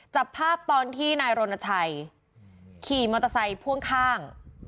จับภาพตอนที่นายรณชัยขี่มอเตอร์ไซค์พ่วงข้าง